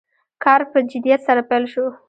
کار په جدیت سره پیل شو.